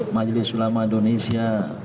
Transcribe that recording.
majelis ulama indonesia